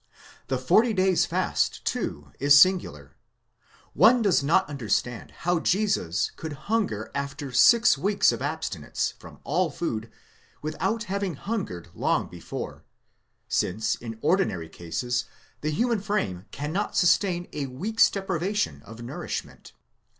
The forty days' fast, too, is singular. One does not understand how Jesus could hunger after six weeks of abstinence from all food without having hungered long before; since in ordinary cases the human frame cannot sus tain a week's deprivation of nourishment.